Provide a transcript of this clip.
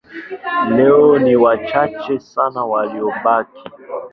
Leo ni wachache sana waliobaki.